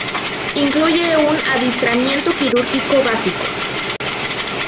Incluye un adiestramiento quirúrgico básico.